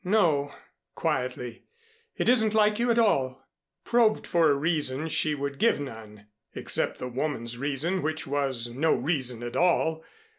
"No," quietly. "It isn't like you at all." Probed for a reason, she would give none, except the woman's reason which was no reason at all.